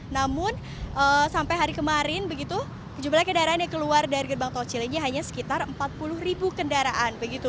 namun sampai hari kemarin begitu jumlah kendaraan yang keluar dari gerbang tol cilenyi hanya sekitar empat puluh ribu kendaraan